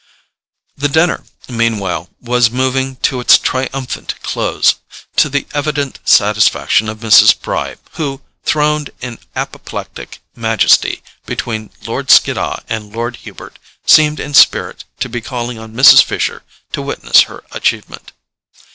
The dinner, meanwhile, was moving to its triumphant close, to the evident satisfaction of Mrs. Bry, who, throned in apoplectic majesty between Lord Skiddaw and Lord Hubert, seemed in spirit to be calling on Mrs. Fisher to witness her achievement.